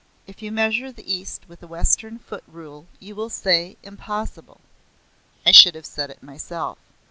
If you measure the East with a Western foot rule you will say, "Impossible." I should have said it myself.